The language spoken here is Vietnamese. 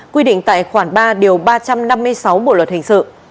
quy định tại khoản ba điều ba trăm năm mươi sáu bộ luật hình sự